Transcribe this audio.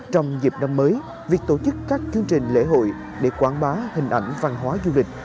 trong dịp năm mới việc tổ chức các chương trình lễ hội để quảng bá hình ảnh văn hóa du lịch